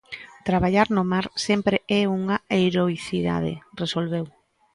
Traballar no mar sempre é unha heroicidade, resolveu.